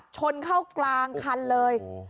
ชนเข้ากลางคันเลย